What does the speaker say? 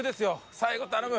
最後頼む！